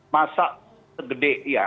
masa segede ya